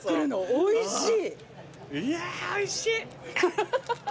おいしい。